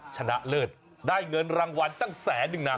ชนะเลิศได้เงินรางวัลกันแต่๑๐๐๐๐๐ด้วยนะ